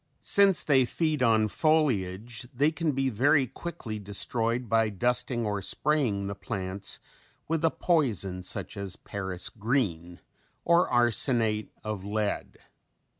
Since they feed on foliage they can be very quickly destroyed by dusting or spraying the plants with a poison such as Paris green or arsenate of lead.